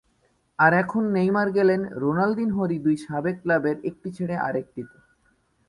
আর এখন নেইমার গেলেন রোনালদিনহোরই দুই সাবেক ক্লাবের একটি ছেড়ে আরেকটিতে।